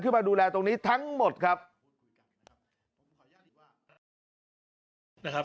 ขึ้นมาดูแลตรงนี้ทั้งหมดครับ